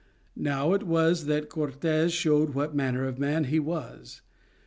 Now it was that Cortes showed what manner of man he was.